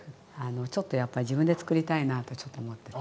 ちょっとやっぱり自分でつくりたいなとちょっと思っててね